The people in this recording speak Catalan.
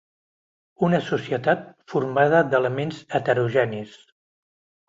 Una societat formada d'elements heterogenis.